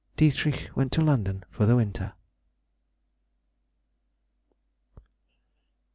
_—Dietrich went to London for the winter.